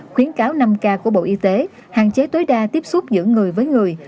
khuyến cáo năm k của bộ y tế hạn chế tối đa tiếp xúc giữa người với người